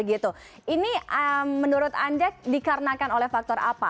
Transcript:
ini menurut anda dikarenakan oleh faktor apa